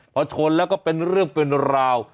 พอชนแล้วก็เป็นเรื่องเป็นราว